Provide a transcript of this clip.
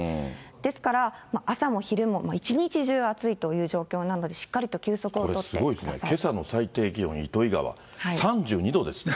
ですから朝も昼も、一日中暑いという状況なので、これすごいですね、けさの最低気温、糸魚川、３２度ですって。